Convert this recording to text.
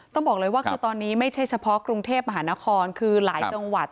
ต้องบอกเลยว่าคือตอนนี้ไม่ใช่เฉพาะกรุงเทพมหานครคือหลายจังหวัด